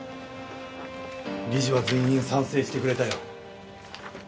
理事は全員賛成してくれたよ。